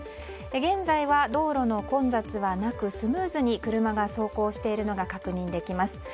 現在は道路の混雑はなくスムーズに車が走行しているのが確認できます。